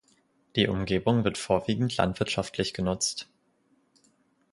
Die Umgebung wird vorwiegend landwirtschaftlich genutzt.